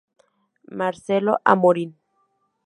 Marcelo Amorín